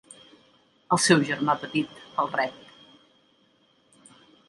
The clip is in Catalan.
El seu germà petit, el Rev.